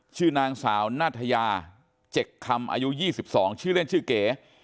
ชื่อนางสาวนาธยา๗คำอายุ๒๒ชื่อเล่นชื่อเก๋